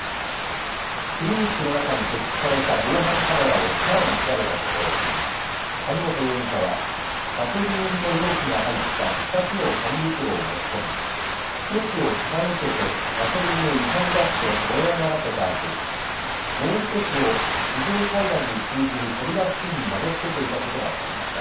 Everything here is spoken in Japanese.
クリニックの中に設置された防犯カメラをさらに調べたところ、谷本容疑者はガソリン入りの容器が入った２つの紙袋を持ち込み、１つを傾けてガソリンを床に出して燃え上がらせたあと、もう１つを非常階段に通じる扉付近に投げつけていたことが分かりました。